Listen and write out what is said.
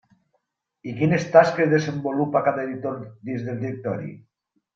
I quines tasques desenvolupa cada editor dins el directori?